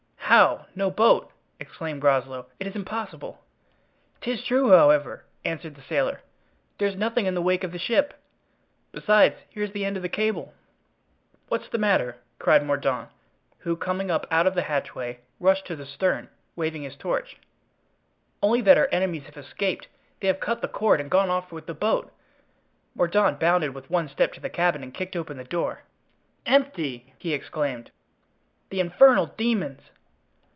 "How! no boat!" exclaimed Groslow; "it is impossible." "'Tis true, however," answered the sailor; "there's nothing in the wake of the ship; besides, here's the end of the cable." "What's the matter?" cried Mordaunt, who, coming up out of the hatchway, rushed to the stern, waving his torch. "Only that our enemies have escaped; they have cut the cord and gone off with the boat." Mordaunt bounded with one step to the cabin and kicked open the door. "Empty!" he exclaimed; "the infernal demons!"